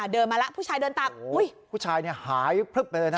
เดินมาแล้วผู้ชายเดินตาผู้ชายหายไปเลยนะ